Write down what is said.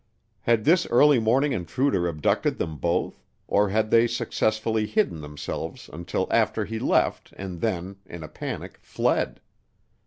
Had this early morning intruder abducted them both, or had they successfully hidden themselves until after he left and then, in a panic, fled?